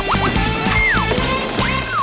โอเบอร์โจร